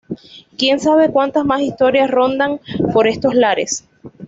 Quien sabe cuantas mas historias rondan por estos lares.